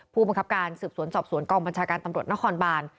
ผู้บังคับการสืบสวนสอบสวนกองบัญชาการตำรวจนครบาน